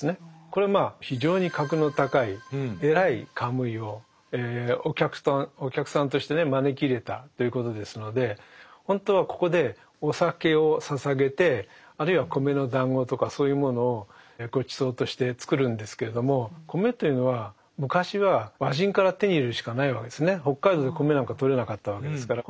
これはまあ非常に格の高い偉いカムイをお客さんとしてね招き入れたということですので本当はここでお酒を捧げてあるいは米のだんごとかそういうものをごちそうとして作るんですけれども米というのは昔は北海道で米なんかとれなかったわけですから。